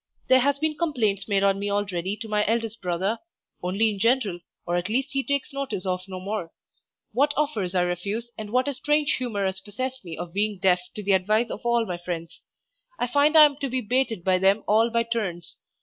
There has been complaints made on me already to my eldest brother (only in general, or at least he takes notice of no more), what offers I refuse, and what a strange humour has possessed me of being deaf to the advice of all my friends. I find I am to be baited by them all by turns.